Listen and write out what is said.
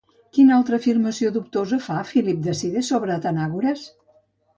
Quina altra afirmació dubtosa fa Filip de Side sobre Atenàgores?